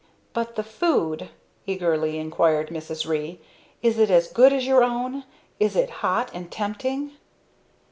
"But the food?" eagerly inquired Mrs. Ree. "Is it as good as your own? Is it hot and tempting?"